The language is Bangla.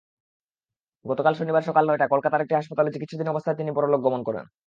গতকাল শনিবার সকাল নয়টায় কলকাতার একটি হাসপাতালে চিকিৎসাধীন অবস্থায় তিনি পরলোকগমন করেন।